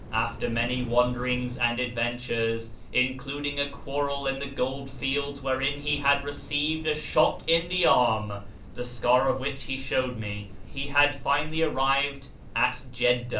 After many wanderings and adventures, including a quarrel in the gold fields wherein he had received a shot in the arm (the scar of which he showed me), he had finally arrived at Jedda.